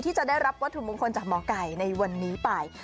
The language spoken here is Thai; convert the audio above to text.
ที่จะได้รับวัตถุมงคลจากหมอไก่ในวันนี้ไป